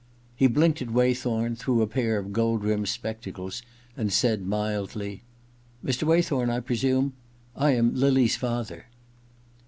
He blinked at Waythorn through a pair of gold rimmed spectacles and said mildly :* Mr. Waythorn, I presume ? I am Lily's father.'